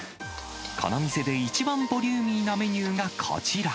この店で一番ボリューミーなメニューがこちら。